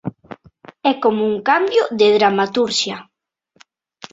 É como un cambio de dramaturxia.